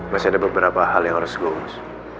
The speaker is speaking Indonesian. masih ada beberapa hal yang harus gue umus